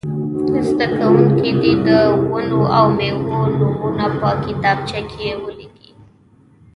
زده کوونکي دې د ونو او مېوو نومونه په کتابچه کې ولیکي.